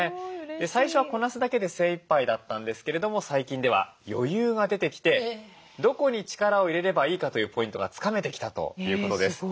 最初はこなすだけで精いっぱいだったんですけれども最近では余裕が出てきてどこに力を入れればいいかというポイントがつかめてきたということです。